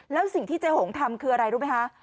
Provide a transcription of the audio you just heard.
แล้วสิ่งที่เจ๊หงทำคืออะไรรู้ไหมคะ